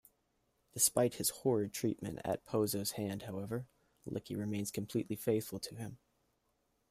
Despite his horrid treatment at Pozzo's hand however, Lucky remains completely faithful to him.